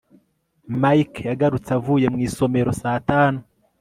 mike yagarutse avuye mu isomero saa tanu